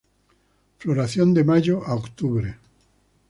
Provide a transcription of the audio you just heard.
Floración de mayo a octubre.